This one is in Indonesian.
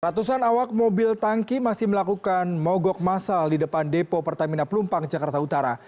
ratusan awak mobil tangki masih melakukan mogok masal di depan depo pertamina pelumpang jakarta utara